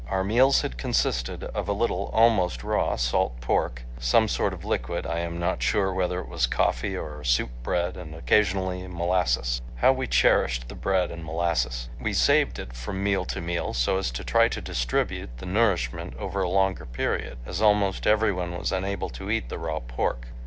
Our meals had consisted of a little almost raw salt pork, some sort of liquid—I am not sure whether it was coffee or soup—bread and occasionally molasses. How we cherished the bread and molasses! We saved it from meal to meal so as to try to distribute the nourishment over a longer period, as almost every one was unable to eat the raw pork.